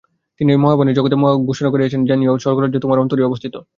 তিনি এই মহাবাণী জগতে ঘোষণা করিয়াছেন জানিও, স্বর্গরাজ্য তোমার অন্তরেই অবস্থিত।